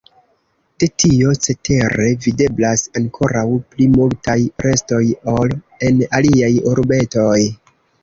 De tio cetere videblas ankoraŭ pli multaj restoj ol en aliaj urbetoj.